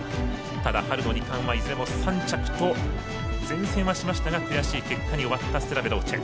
ただ、春の二冠はいずれも３着と善戦はしましたが悔しい結果に終わったステラヴェローチェ。